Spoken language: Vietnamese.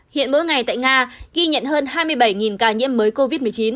hiện mỗi ngày tại nga ghi nhận hơn hai mươi bảy ca nhiễm mới covid một mươi chín